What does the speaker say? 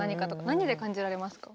何で感じられますか？